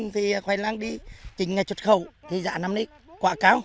thì khoai lang đi chín ngày xuất khẩu thì giả năm nay quá cao